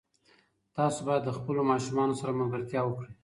تاسو باید له خپلو ماشومانو سره ملګرتیا وکړئ.